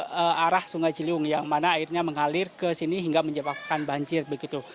ke arah sungai ciliwung yang mana airnya mengalir ke sini hingga menyebabkan banjir begitu